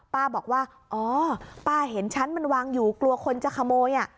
ป้าบอกว่าอ๋อป้าเห็นชั้นมันวางอยู่กลัวคนจะขโมย